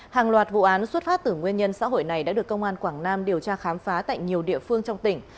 hàng loạt vụ án xuất phát từ nguyên nhân xã hội này đã được công an quảng nam điều tra khám phá tại nhiều địa phương trong tỉnh